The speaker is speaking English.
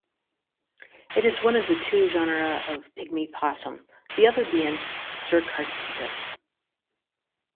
It is one of two genera of pygmy possum, the other being "Cercartetus".